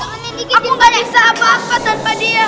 aku gak bisa apa apa tanpa dia